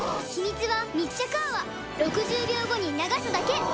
ヒミツは密着泡６０秒後に流すだけ